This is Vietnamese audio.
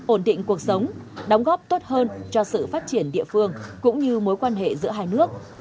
ổn định cuộc sống đóng góp tốt hơn cho sự phát triển địa phương cũng như mối quan hệ giữa hai nước